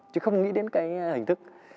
chứ không nghĩ đến cái hình thức